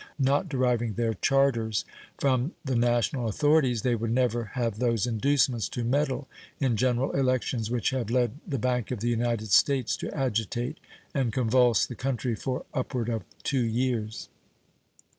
Not deriving their charters from the national authorities, they would never have those inducements to meddle in general elections which have led the Bank of the United States to agitate and convulse the country for upward of two years.